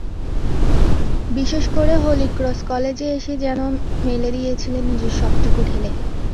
বিশেষ করে হলিক্রস কলেজে এসে যেন মেলে দিয়েছিলেন নিজের সবটুকু ঢেলে।